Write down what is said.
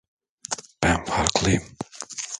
Ben farklıyım.